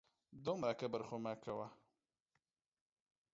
دومره کبر خو مه کوه